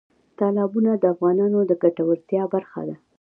تالابونه د افغانانو د ګټورتیا برخه ده.